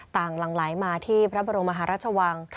ต่างหลั่งไหลมาที่พระบรมหารัชวัง